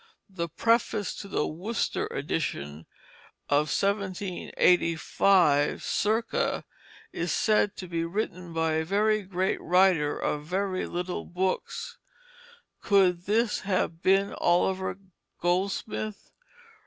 The preface to the Worcester edition of 1785 circa is said to be written by a very great writer of very little books. Could this have been Oliver Goldsmith?